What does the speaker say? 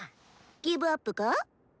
ギブアップか？